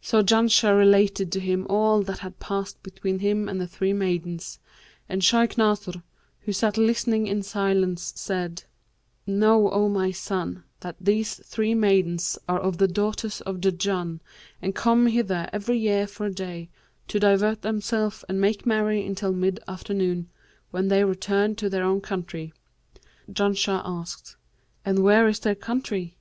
So Janshah related to him all that had passed between him and the three maidens, and Shaykh Nasr, who sat listening in silence said, 'Know, O my son, that these three maidens are of the daughters of the Jann and come hither every year for a day, to divert themselves and make merry until mid afternoon, when they return to their own country.' Janshah asked, 'And where is their country?'